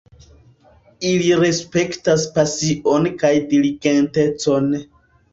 Ili respektas pasion kaj diligentecon